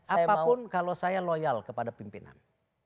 apapun kalau saya loyal kepada pimpinan